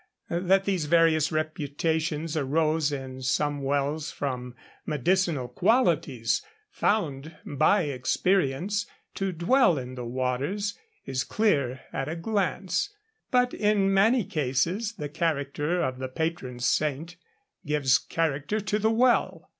That these various reputations arose in some wells from medicinal qualities found by experience to dwell in the waters, is clear at a glance; but in many cases the character of the patron saint gives character to the well.